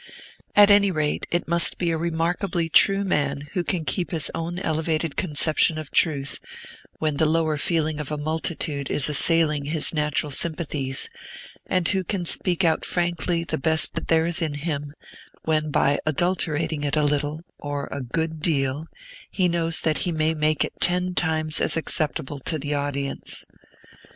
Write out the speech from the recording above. At any rate, it must be a remarkably true man who can keep his own elevated conception of truth when the lower feeling of a multitude is assailing his natural sympathies, and who can speak out frankly the best that there is in him, when by adulterating it a little, or a good deal, he knows that he may make it ten times as acceptable to the audience.